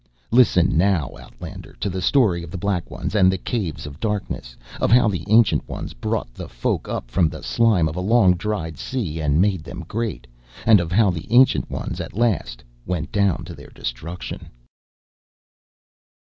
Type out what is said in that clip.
Listen now, outlander, to the story of the Black Ones and the Caves of Darkness, of how the Ancient Ones brought the Folk up from the slime of a long dried sea and made them great, and of how the Ancient Ones at last went down to their destruction."